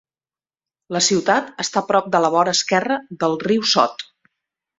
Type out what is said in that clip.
La ciutat està prop de la vora esquerra del riu Sot.